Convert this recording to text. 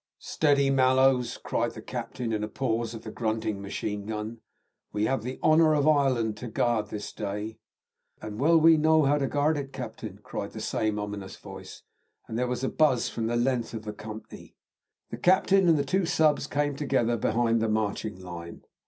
"Steady, Mallows!" cried the captain, in a pause of the grunting machine gun. "We have the honour of Ireland to guard this day." "And well we know how to guard it, captin!" cried the same ominous voice; and there was a buzz from the length of the company. The captain and the two subs. came together behind the marching line.